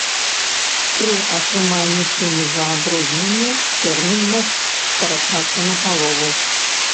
Пры атрыманні чыну за адрозненне тэрмін мог скарачацца напалову.